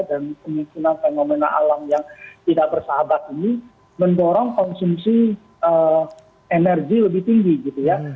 dan kemungkinan fenomena alam yang tidak bersahabat ini mendorong konsumsi energi lebih tinggi gitu ya